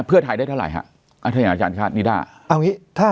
เพื่อไทยได้เท่าไหร่อะอาจารย์อาจารย์นะคะนี่ถ้า